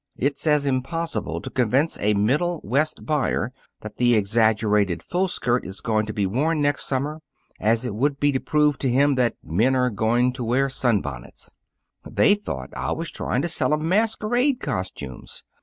It's as impossible to convince a Middle West buyer that the exaggerated full skirt is going to be worn next summer as it would be to prove to him that men are going to wear sunbonnets. They thought I was trying to sell 'em masquerade costumes.